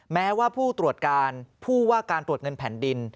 แม้ว่าผู้ตรวจการผู้ว่าการตรวจเงินแผ่นดิน